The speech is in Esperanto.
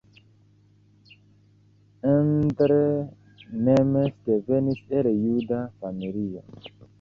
Endre Nemes devenis el juda familio.